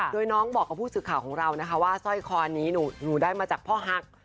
โดยน้องบอกกับผู้สื่อข่าวของเรานะคะว่าสร้อยคอนี้หนูได้มาจากพ่อฮัก